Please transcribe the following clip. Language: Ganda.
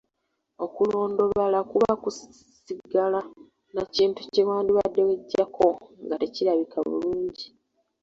Okulondobala kuba kusigala na kintu kye wandibadde weggyako nga tekirabika bulungi.